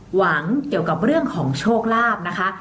หวังเกี่ยวกับเรื่องของโชคลาภนะคะ